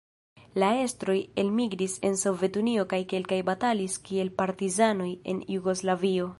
La estroj elmigris en Sovetunio kaj kelkaj batalis kiel partizanoj en Jugoslavio.